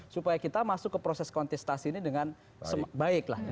supaya kita masuk ke proses kontestasi ini dengan baik lah